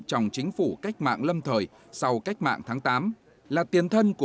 trong chính phủ cách mạng lâm thời sau cách mạng tháng tám